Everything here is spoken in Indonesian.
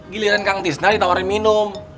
giliran kang tista ditawarin minum